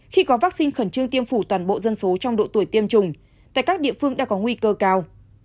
khi có vaccine khẩn trương tiêm phủ toàn bộ dân số trong độ tuổi tiêm chủng tại các địa phương đã có nguy cơ cao